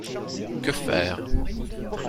Que faire?